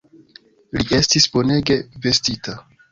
Li estis bonege vestita!